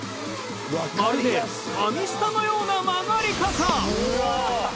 まるで「ファミスタ」のような曲がり方。